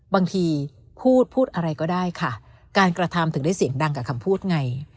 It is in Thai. บางทีพูดพูดอะไรก็ได้ค่ะการกระทำถึงได้เสียงดังกับคำพูดไง